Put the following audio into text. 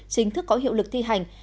chính thức có hiệu lực thi hành